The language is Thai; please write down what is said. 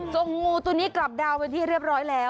งูตัวนี้กลับดาวเป็นที่เรียบร้อยแล้ว